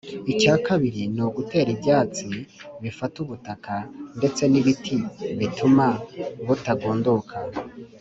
icya kabiri ni ugutera ibyatsi bifata ubutaka ndetse n’ibiti bituma butagunduka